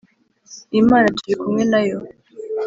Imana turi kumwe nayo